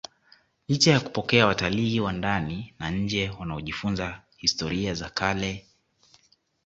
licha ya kupokea watalii wa ndani na nje wanaojifunza historia za kale